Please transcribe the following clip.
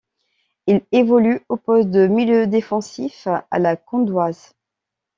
Il évolue au poste de milieu défensif à La Gantoise.